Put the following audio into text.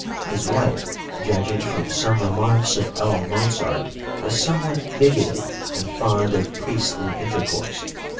His wife, judging from some remarks of L. Mozart, was somewhat bigoted and fond of priestly intercourse.